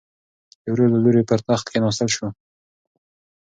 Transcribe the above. د ورور له لوري پر تخت کېناستل شو.